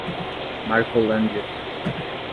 Marcolândia